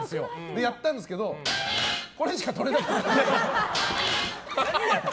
やったんですけどこれしかとれなかった。